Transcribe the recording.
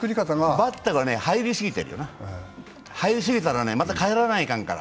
バッターが入り過ぎてるよな、入り過ぎたら変えなきゃいかんから。